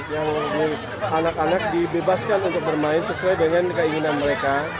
yang anak anak dibebaskan untuk bermain sesuai dengan keinginan mereka